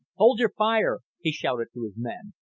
"Hold your fire!" he shouted to his men.